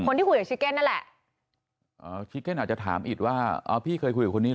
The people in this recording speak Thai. คนที่คุยกับชิเก็นนั่นแหละอ๋อชิเก้นอาจจะถามอิดว่าอ๋อพี่เคยคุยกับคนนี้